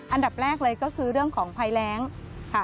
อันดับแรกเลยก็คือเรื่องของภัยแรงค่ะ